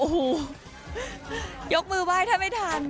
โอ้โฮยกมือไปถ้าไม่ทัน